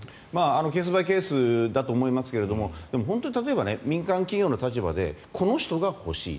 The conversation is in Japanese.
ケース・バイ・ケースだと思いますが本当に例えば民間企業の立場でこの人が欲しい